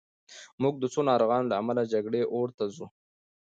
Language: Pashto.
موږ د څو ناروغانو له امله د جګړې اور ته ځو